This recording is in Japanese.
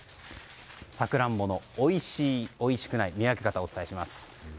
サクランボのおいしい、おいしくない見分け方をお伝えします。